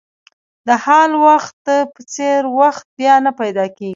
د حال وخت په څېر وخت بیا نه پیدا کېږي.